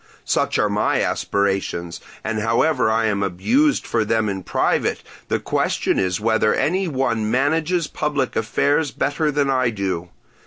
Such are my aspirations, and however I am abused for them in private, the question is whether any one manages public affairs better than I do.